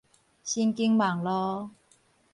神經網路